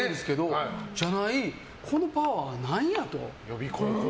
そうじゃないこのパワーは何やと。